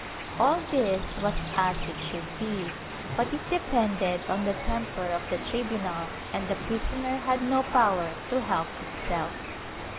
^ All this was as it should be, but it depended on the temper of the tribunal and the prisoner had no power to help himself.